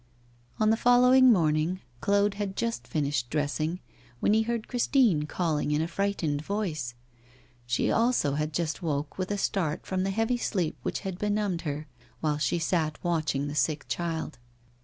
On the following morning, Claude had just finished dressing, when he heard Christine calling in a frightened voice. She also had just woke with a start from the heavy sleep which had benumbed her while she sat watching the sick child.